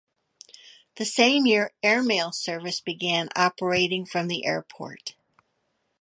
The same year airmail service began operating from the airport.